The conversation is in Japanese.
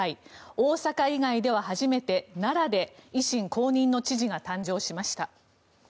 大阪以外では初めて奈良で維新公認の知事が誕生しました。